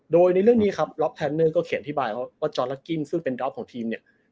โดยในเรื่องนี้ครับโลฟแทรนนเอก็เขียนแล้วว่าจอร์ลักกิ้นซึ่งเป็นดรักของทีมเนี่ย